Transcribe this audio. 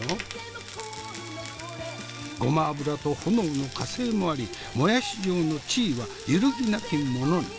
ゴマ油と炎の加勢もありもやし嬢の地位は揺るぎなきものに。